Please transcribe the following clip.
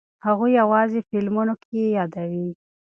هغوی یوازې فلمونو کې یې یادوي.